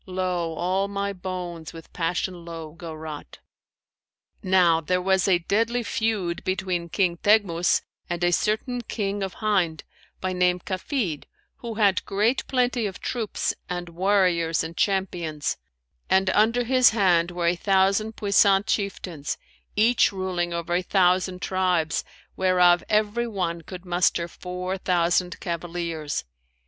* Lo, all my bones with passion lowe go rot!' Now there was a deadly feud between King Teghmus and a certain King of Hind, by name Kafνd, who had great plenty of troops and warriors and champions; and under his hand were a thousand puissant chieftains, each ruling over a thousand tribes whereof every one could muster four thousand cavaliers.